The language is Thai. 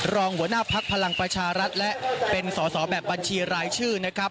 รองหัวหน้าพักพลังประชารัฐและเป็นสอสอแบบบัญชีรายชื่อนะครับ